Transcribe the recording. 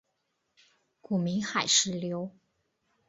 古名海石榴。